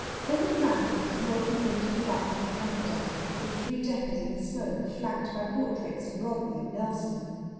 Over the mantel was an old print of the battle of Camperdown, with three deckers in the smoke, flanked by portraits of Rodney and Nelson.